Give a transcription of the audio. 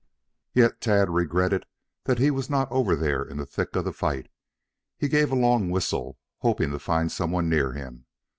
Yet Tad regretted that he was not over there in the thick of the fight. He gave a long whistle, hoping to find some one near him.